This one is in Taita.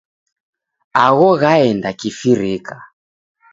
Agho ghaenda kifirika.